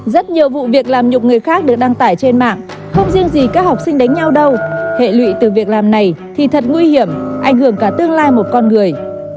rất nhiều vụ việc làm nhục người khác được đăng tải trên mạng không riêng gì các học sinh đánh nhau đâu hệ lụy từ việc làm này thì thật nguy hiểm ảnh hưởng cả tương lai một con người